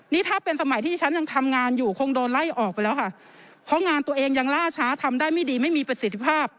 นี่ถ้าเป็นสมัยที่ฉันยังทำงานอยู่คงโดนไล่ออกไปแล้วค่ะเพราะงานตัวเองยังล่าช้าทำได้ไม่ดีไม่มีประสิทธิภาพ